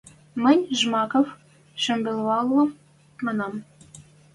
— Мӹнь Жмаков шӱмбелвлӓм манам...